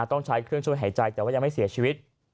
ต้องใช้เครื่องช่วยหายใจแต่ว่ายังไม่เสียชีวิต